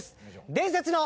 伝説の。